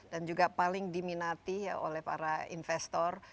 dan juga paling diminati oleh para investor